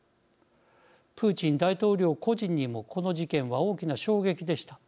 プーチン大統領個人にもこの事件は大きな衝撃でした。